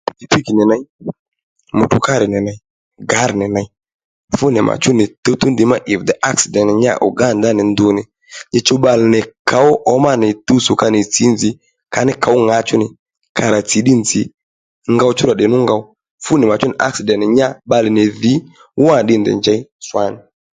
Pikipiki nì ney mutukari nì ney gǎr nì ney fúnì màchú nì tǔwtǔw ní ddiy má ì bìdey aksìdèt nya Uganda ó nì ndunì nyi chuw bbalè nì kǒw ǒmá nì tuwtsò ka nì tsǐ nzǐ kaní kǒw ŋǎchú ní ka rà tsì ddí nzǐ ngow chú rà tdè nú ngow fúnì màchú nì aksìdènt mà nya bbalè nì dhǐ wánì ddiy nì ndèy njěy swàní